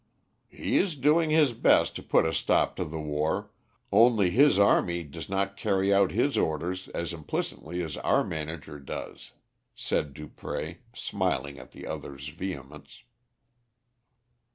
"He is doing his best to put a stop to the war, only his army does not carry out his orders as implicitly as our manager does," said Dupré, smiling at the other's vehemence.